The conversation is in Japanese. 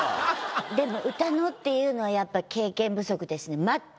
でも「歌の」っていうのはやっぱ経験不足ですね。